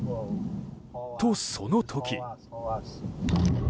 と、その時。